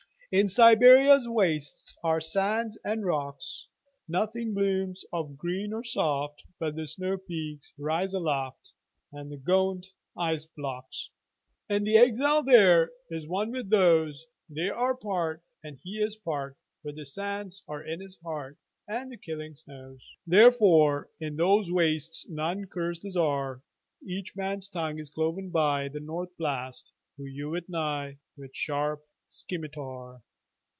In Siberia's wastesAre sands and rocks. Nothing blooms of green or soft, But the snowpeaks rise aloftAnd the gaunt ice blocks. And the exile thereIs one with those; They are part, and he is part, For the sands are in his heart, And the killing snows. Therefore, in those wastesNone curse the Czar.Each man's tongue is cloven byThe North Blast, who heweth nighWith sharp scymitar.